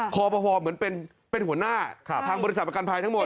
คอปภเหมือนเป็นหัวหน้าทางบริษัทประกันภัยทั้งหมด